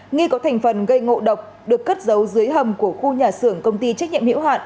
nghi có thành phần gây ngộ độc được cất giấu dưới hầm của khu nhà xưởng công ty trách nhiệm hiệu hạn